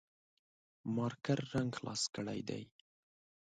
مارکر رنګ خلاص کړي دي